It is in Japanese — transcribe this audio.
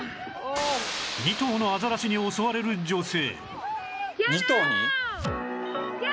２頭のアザラシに襲われる女性